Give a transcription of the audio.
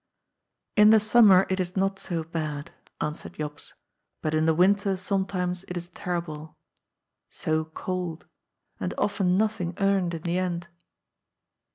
" In the summer it is not so bad," answered Jops, "but in the winter sometimes it is terrible. So cold. And often nothing earned in the end."